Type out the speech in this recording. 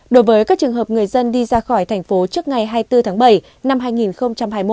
đối với các trường hợp người dân đi ra khỏi thành phố trước ngày hai mươi bốn tháng bảy năm hai nghìn hai mươi